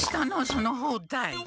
そのほうたい。